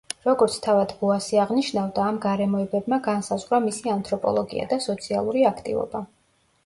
როგორც თავად ბოასი აღნიშნავდა, ამ გარემოებებმა განსაზღვრა მისი ანთროპოლოგია და სოციალური აქტივობა.